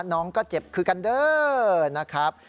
น้องก็เจ็บคือกันเด้อนะครับ